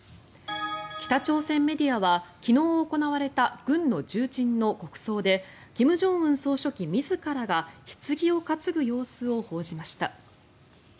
北朝鮮メディアは昨日行われた軍の重鎮の国葬で金正恩総書記自らがひつぎを担ぐ様子を報じました。